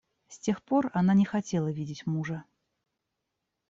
С тех пор она не хотела видеть мужа.